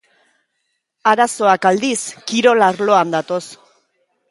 Arazoak, aldiz, kirol arloan datoz.